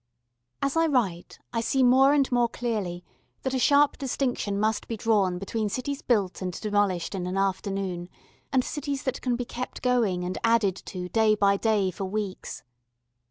As I write I see more and more clearly that a sharp distinction must be drawn between cities built and demolished in an afternoon, and cities that can be kept going and added to day by day for weeks.